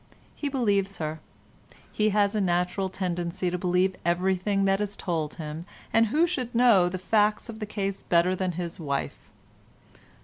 He believes her; he has a natural tendency to believe everything that is told him, and who should know the facts of the case better than his wife?